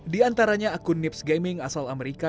di antaranya akun nips gaming asal amerika